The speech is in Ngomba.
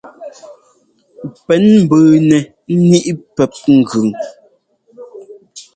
Pɛ́n mbʉʉnɛ ŋíʼ pɛ́p ŋgʉn.